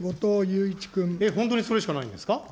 本当にそれしかないんですか。